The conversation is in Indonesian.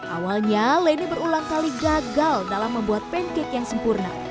awalnya leni berulang kali gagal dalam membuat pancake yang sempurna